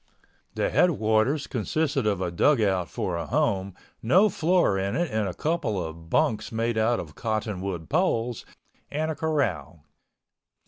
The headquarters consisted of a dugout for a home, no floor in it and a couple of bunks made out of cottonwood poles, and a corral.